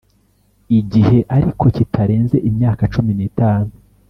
igihe ariko kitarenze imyaka cumi n’itanu